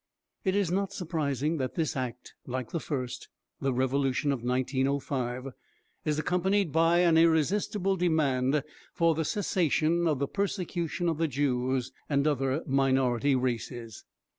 It is not surprising that this Act, like the first the Revolution of 1905 is accompanied by an irresistible demand for the cessation of the persecution of the Jews and other minority races.